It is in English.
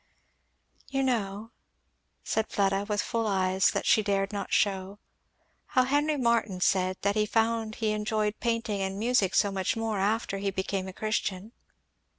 "You know," said Fleda with full eyes that she dared not shew, "how Henry Martyn said that he found he enjoyed painting and music so much more after he became a Christian."